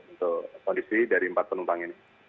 untuk kondisi dari empat penumpang ini